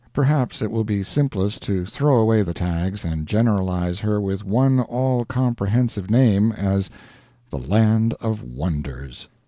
Perhaps it will be simplest to throw away the tags and generalize her with one all comprehensive name, as the Land of Wonders.